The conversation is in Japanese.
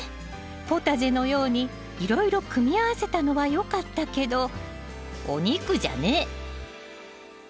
ポタジェのようにいろいろ組み合わせたのはよかったけどお肉じゃねえ。